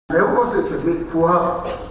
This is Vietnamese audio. nếu có sự chuẩn bị phù hợp